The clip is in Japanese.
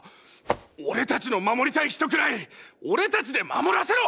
俺たちの守りたい人くらい俺たちで守らせろ！！